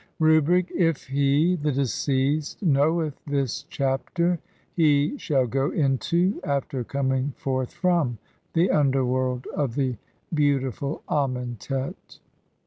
Rubric : if he (/. e., the deceased) knoweth this chapter, he SHALL GO INTO, AFTER COMING FORTH FROM, THE UNDERWORLD OF THE [HEAUl'IFUL AMENTE'TJ.